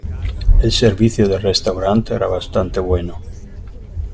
El servicio del restaurante era bastante bueno.